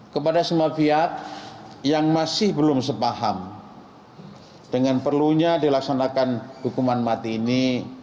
kepada semua pihak yang masih belum sepaham dengan perlunya dilaksanakan hukuman mati ini